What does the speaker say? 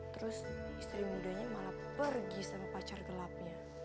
terus istri mudanya malah pergi sama pacar gelapnya